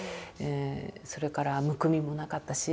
それからむくみもなかったし。